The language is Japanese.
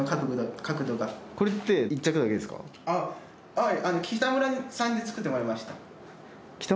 はい。